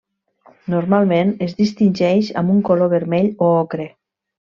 Normalment, es distingeix amb un color vermell o ocre.